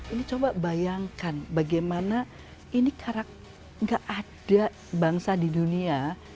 ini coba bayangkan bagaimana ini gak ada bangsa di dunia